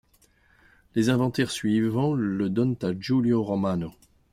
Les inventaires suivant le donnent à Giulio Romano.